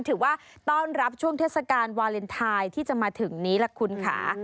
ถือว่าต้อนรับช่วงเทศกาลวาเลนไทยที่จะมาถึงนี้ล่ะคุณค่ะ